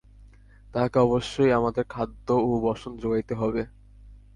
তাঁহাকে অবশ্যই আমাদের খাদ্য ও বসন যোগাইতে হইবে।